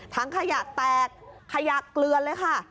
ขยะแตกขยะเกลือนเลยค่ะ